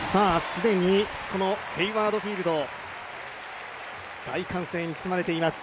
既にこのヘイワード・フィールド、大歓声に包まれています。